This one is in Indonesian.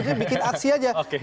maksudnya bikin aksi aja